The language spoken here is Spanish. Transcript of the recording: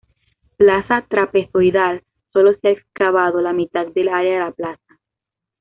Plaza trapezoidal solo se ha excavado la mitad del área de la plaza.